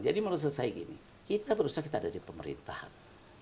jadi menurut saya gini kita berusaha kita ada di pemerintahan